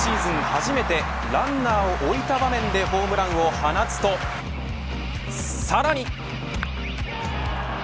初めてランナーを置いた場面でホームランを放つとさらに。